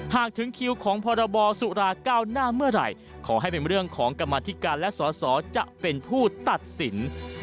ถึงคิวของพรบสุราก้าวหน้าเมื่อไหร่ขอให้เป็นเรื่องของกรรมธิการและสอสอจะเป็นผู้ตัดสิน